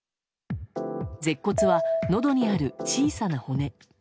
舌骨は、のどにある小さな骨。